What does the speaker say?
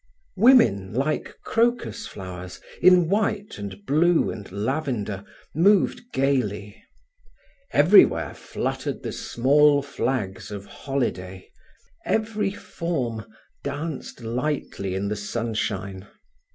Women, like crocus flowers, in white and blue and lavender, moved gaily. Everywhere fluttered the small flags of holiday. Every form danced lightly in the sunshine.